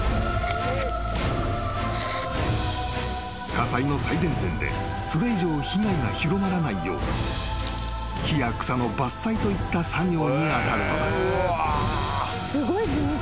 ［火災の最前線でそれ以上被害が広まらないよう木や草の伐採といった作業に当たるのだ］